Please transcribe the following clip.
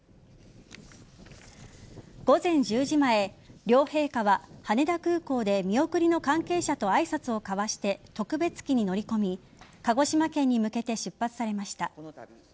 午前１０時前、両陛下は羽田空港で見送りの関係者と挨拶を交わして特別機に乗り込み鹿児島県に向けて出発されました。